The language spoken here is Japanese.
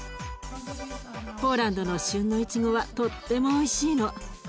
ポーランドの旬のイチゴはとってもおいしいの。